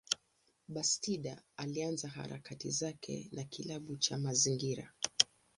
Bastida alianza harakati zake na kilabu cha mazingira.